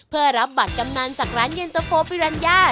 เพื่อรับบัตรกำนันจากร้านเย็นตะโฟิรัญญา